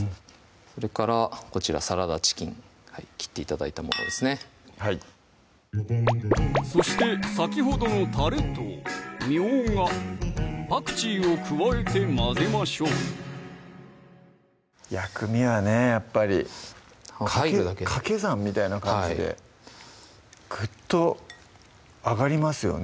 それからこちらサラダチキン切って頂いたものですねはいそして先ほどのたれとみょうが・パクチーを加えて混ぜましょう薬味はねやっぱりかけ算みたいな感じでぐっと上がりますよね